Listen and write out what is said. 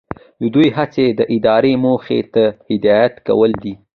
د دوی هڅې د ادارې موخې ته هدایت کول دي.